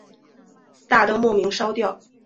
大灯莫名烧掉